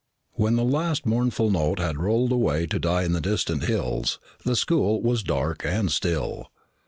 When the last mournful note had rolled away to die in the distant hills, the school was dark and still.